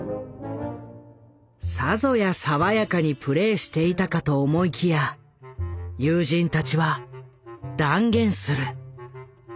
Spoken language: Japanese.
さぞや爽やかにプレーしていたかと思いきや友人たちは断言する。